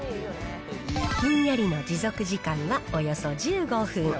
ひんやりの持続時間はおよそ１５分。